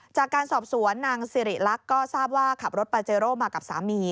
จากการสอบสวนนางสิริรักษ์ก็ทราบว่าขับรถปาเจโร่มากับสามี